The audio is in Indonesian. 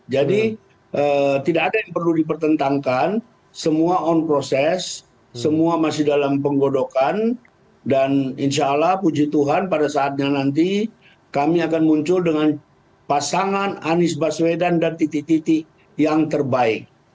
jadi tidak ada yang perlu dipertentangkan semua on proses semua masih dalam penggodokan dan insya allah puji tuhan pada saatnya nanti kami akan muncul dengan pasangan anies baswedan dan titik titik yang terbaik